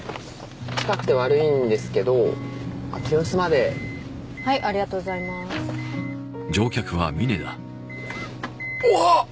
近くて悪いんですけど豊洲まではいありがとうございますうわ！